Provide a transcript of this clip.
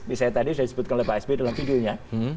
misalnya tadi sudah disebutkan oleh pak sby dalam videonya